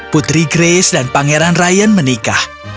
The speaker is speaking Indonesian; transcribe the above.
putri grace dan pangeran ryan menikah